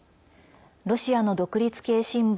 ロシアの独立系新聞